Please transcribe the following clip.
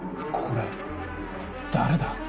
これ誰だ？